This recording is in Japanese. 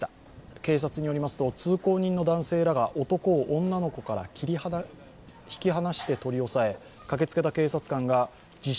警察によりますと通行人の男性らが男を女の子から引き離して取り押さえ駆けつけた警察官が自称・